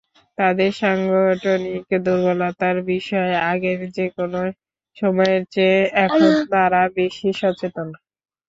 তাদের সাংগঠনিক দুর্বলতার বিষয়ে আগের যেকোনো সময়ের চেয়ে এখন তারা বেশি সচেতন।